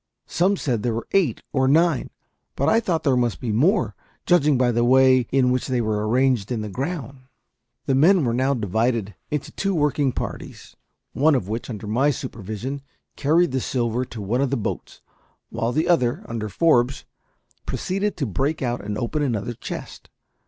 Some said there were eight or nine, but I thought there must be more, judging by the way in which they were arranged in the ground. The men were now divided into two working parties, one of which, under my supervision, carried the silver to one of the boats, while the other, under Forbes, proceeded to break out and open another chest.